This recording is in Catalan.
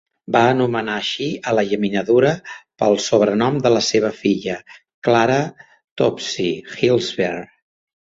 Va anomenar així a la llaminadura pel sobrenom de la seva filla, Clara "Tootsie" Hirshfield.